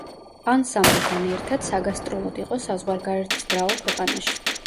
ანსამბლთან ერთად საგასტროლოდ იყო საზღვარგარეთის მრავალ ქვეყანაში.